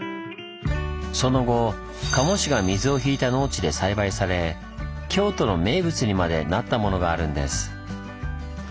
その後賀茂氏が水を引いた農地で栽培され京都の名物にまでなったものがあるんです。